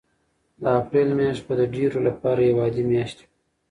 د اپریل میاشت به د ډېرو لپاره یوه عادي میاشت وي.